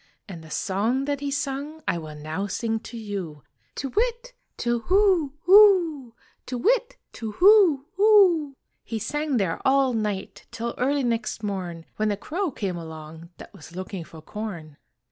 And the song that he sung I will now sing to you "To whit! To whoo, hoo! To whit! To whoo, hoo!" He sang there all night Till early next morn, When a crow came along That was looking for corn.